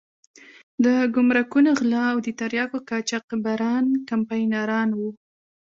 د ګمرکونو غله او د تریاکو قاچاقبران کمپاینران وو.